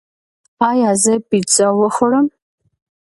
ایا زه پیزا وخورم؟